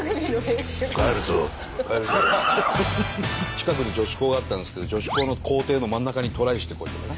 近くに女子校があったんですけど女子校の校庭の真ん中にトライしてこいとかね。